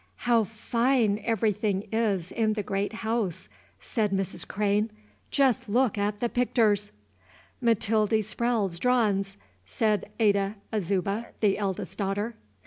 "How fine everything is in the great house!" said Mrs. Crane, "jest look at the picters!" "Matildy Sprowle's drawin's," said Ada Azuba, the eldest daughter.